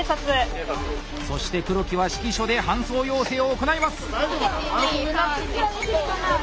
そして黒木は指揮所で搬送要請を行います。